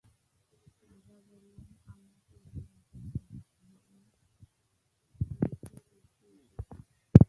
রাজা বলিলেন, আমরা তো বনে এসেছি, হরিকে দেখতে এসেছি।